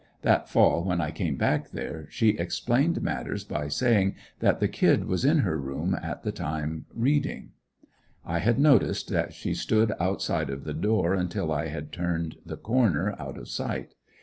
That fall when I came back there she explained matters, by saying that the "Kid" was in her room at the time, reading. I had noticed that she stood outside of the door until I had turned the corner out of sight.